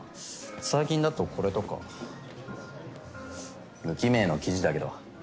最近だとこれとか。無記名の記事だけど。